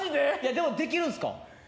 でも、できるんすか？